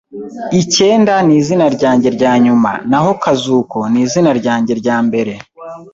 Ikeda nizina ryanjye ryanyuma, naho Kazuko nizina ryanjye ryambere.